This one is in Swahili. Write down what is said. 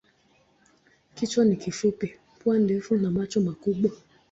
Kichwa ni kifupi, pua ndefu na macho makubwa.